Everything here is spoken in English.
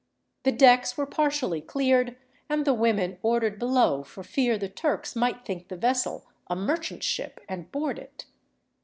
The decks were partially cleared, and the women ordered below for fear the Turks might think the vessel a merchant ship and board it.